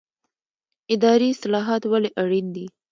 اداري اصلاحات ولې اړین دي؟